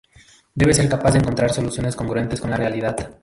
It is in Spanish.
Debe ser capaz de encontrar soluciones congruentes con la realidad.